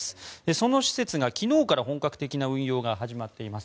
その施設が昨日から本格的な運用が始まっています。